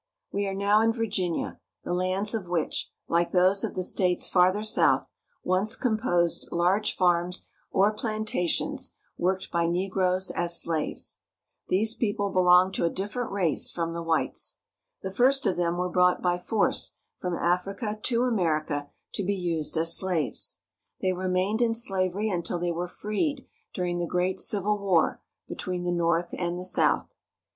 We are now in Virginia, the lands of which, like those of the states farther south, once composed large farms or plantations, worked by negroes as slaves. These people belong to a different race from the whites. The first of them were brought by force from Africa to America to be used as slaves. They remained in slavery until they were freed during the great Civil War between the North and the South.